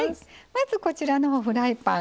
まずこちらのほうフライパン。